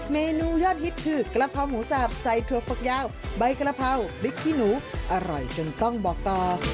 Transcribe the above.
เมนูยอดฮิตคือกะเพราหมูสับใส่ถั่วฝักยาวใบกระเพราพริกขี้หนูอร่อยจนต้องบอกต่อ